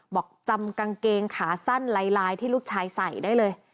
บอกจำกางเกงขาสั้นลายที่ลูกชายใส่ได้เลย